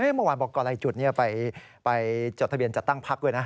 เมื่อวานบอกกรรายจุดไปจดทะเบียนจัดตั้งพักด้วยนะ